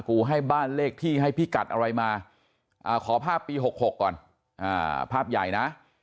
กูให้บ้านเลขที่ให้พี่กัดอะไรมาอ่าขอภาพปีหกหกก่อนอ่าภาพใหญ่น่ะ